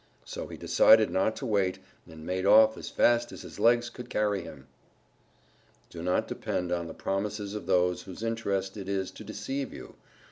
So he decided not to wait and made off as fast as his legs could carry him. _Do not depend on the promises of those whose interest it is to deceive you.